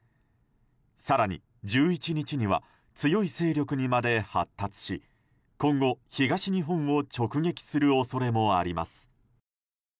更に１１日には強い勢力にまで発達し今後、東日本を直撃する恐れもあります。